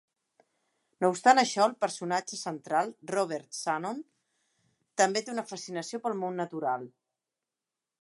No obstant això, el personatge central, Robert Shannon, també té una fascinació pel món natural.